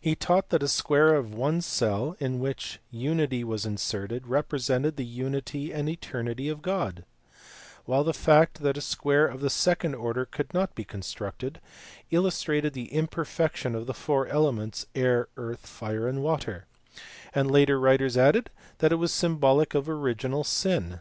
He taught that a square of one cell, in which unity was inserted, represented the unity and eternity of God ; while the fact that a square of the second order could not be constructed illustrated the imperfection of the four elements, air, earth, fire, and water ; and later writers added that it was symbolic of original sin.